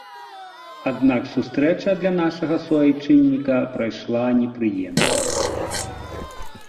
Аднак сустрэча для нашага суайчынніка прайшла непрыемна.